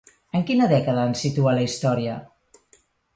A quina dècada ens situa la història?